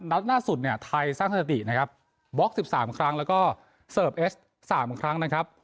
ล่าสุดเนี่ยไทยสร้างสถิตินะครับบล็อก๑๓ครั้งแล้วก็เสิร์ฟเอส๓ครั้งนะครับ